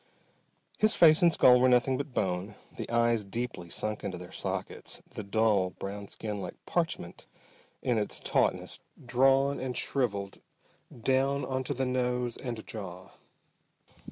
His face and skull were nothing but bone, the eyes deeply sunk into their sockets, the dull brown skin like parchment in its tautness, drawn and shriveled down onto the nose and jaw.